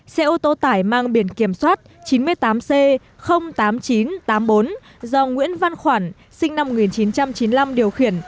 xe ô tô tải mang biển kiểm soát chín mươi tám c tám nghìn chín trăm tám mươi bốn do nguyễn văn khoản sinh năm một nghìn chín trăm chín mươi năm điều khiển